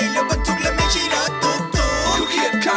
สวัสดีค่ะสวัสดีค่ะ